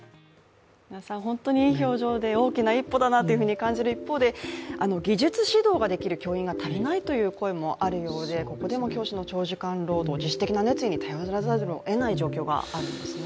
皆さん本当にいい表情で大きな一歩だなと感じる一方で、技術指導ができる教員が足りないという声もあるようでここでも教師の長時間労働、自主的な熱意に頼らざるをえない状況があるんですね。